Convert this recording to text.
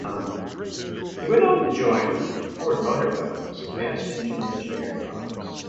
He went on to join Ford Motor Company's Advanced Engine Engineering Office.